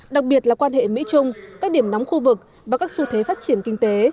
đặc biệt là quan hệ mỹ trung các điểm nóng khu vực và các xu thế phát triển kinh tế